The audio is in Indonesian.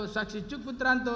saksi cuk putranto